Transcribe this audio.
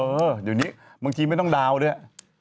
เออเดี๋ยวนี้บางทีไม่ต้องดาวน์ด้วย